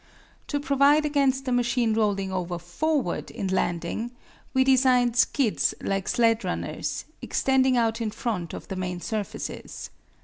To provide against the machine rolling over forward in landing, we designed skids like sled runners, extending out in front of the main surfaces.